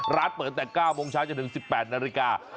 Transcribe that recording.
ร้านเปิดแต่๙โมงเช้าจนถึง๑๘นาฬิกา